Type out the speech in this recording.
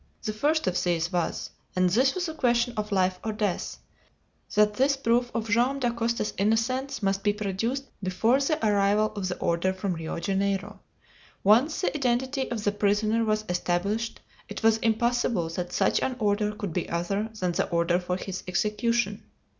The first of these was and this was a question of life or death that this proof of Joam Dacosta's innocence must be produced before the arrival of the order from Rio Janeiro. Once the identity of the prisoner was established, it was impossible that such an order could be other than the order for his execution.